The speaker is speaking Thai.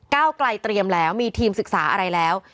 เก้าไกลเตรียมแล้วมีทีมศึกษาอะไรแล้ว